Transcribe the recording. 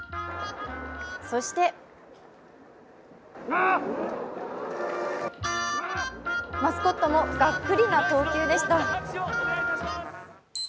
そしてマスコットもガックリな投球でした。